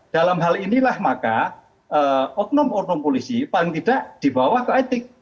dalam hal inilah maka oknum oknum polisi paling tidak dibawa ke etik